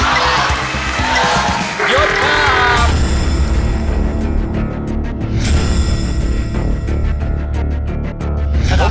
มานี่เลยครับ